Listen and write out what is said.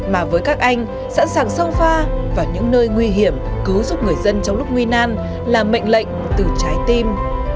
mà với các anh sẵn sàng sâu pha vào những nơi nguy hiểm cứu giúp người dân trong lúc nguy nan là mệnh lệnh từ trái tim